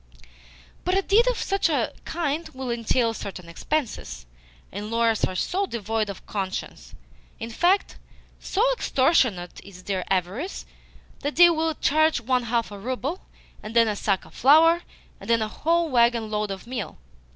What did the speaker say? "But a deed of such a kind will entail certain expenses, and lawyers are so devoid of conscience! In fact, so extortionate is their avarice that they will charge one half a rouble, and then a sack of flour, and then a whole waggon load of meal.